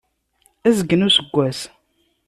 Azgen n useggas.